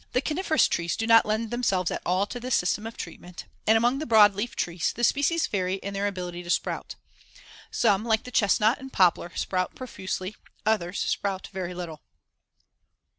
The coniferous trees do not lend themselves at all to this system of treatment, and, among the broadleaf trees, the species vary in their ability to sprout. Some, like the chestnut and poplar, sprout profusely; others sprout very little.